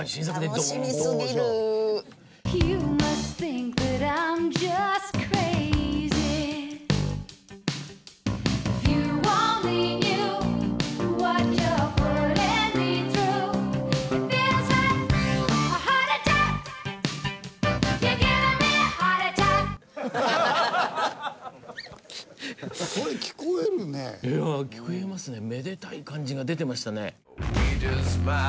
めでたい感じが出てましたね。